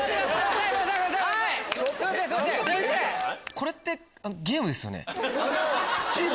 これってゲームですよね？